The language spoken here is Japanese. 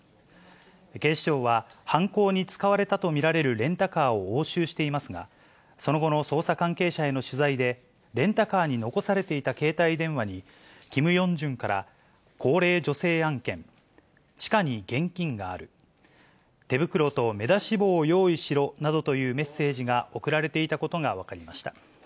警視庁は犯行に使われたと見られるレンタカーを押収していますが、その後の捜査関係者への取材で、レンタカーに残されていた携帯電話に、キム・ヨンジュンから、高齢女性案件、地下に現金がある、手袋と目出し帽を用意しろなどというメッセージが送られていたことが分かりました。